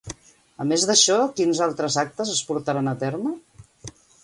A més d'això, quins altres actes es portaran a terme?